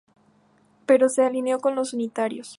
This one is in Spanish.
Pero se alineó con los unitarios.